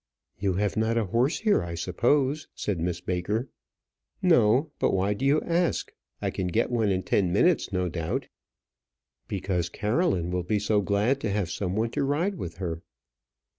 "You have not a horse here, I suppose?" said Miss Baker. "No; but why do you ask? I can get one in ten minutes, no doubt." "Because Caroline will be so glad to have some one to ride with her."